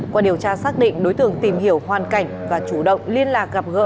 qua điều tra xác định đối tượng tìm hiểu hoàn cảnh và chủ động liên lạc gặp gỡ